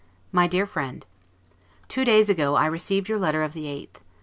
MY DEAR FRIEND: Two days ago I received your letter of the 8th.